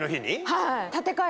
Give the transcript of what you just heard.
はい。